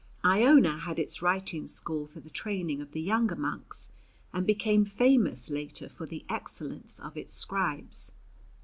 Iona had its writing school for the training of the younger monks, and became famous later for the excellence of its scribes.